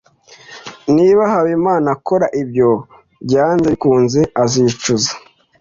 niba habimana akora ibyo, byanze bikunze azicuza